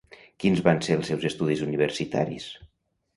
Quins van ser els seus estudis universitaris?